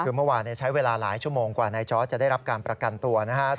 คือเมื่อวานใช้เวลาหลายชั่วโมงกว่านายจอร์ดจะได้รับการประกันตัวนะครับ